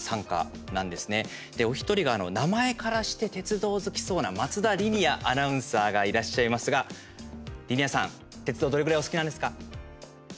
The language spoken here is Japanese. お一人が、名前からして鉄道好きそうな松田利仁亜アナウンサーがいらっしゃいますが、利仁亜さん鉄道どれくらいお好きなんですか。